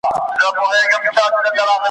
خو هستي یې نه درلوده ډېر نېسمتن وه ,